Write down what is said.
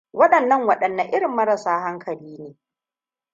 Waɗannan waɗanne irin marasa hankali ne.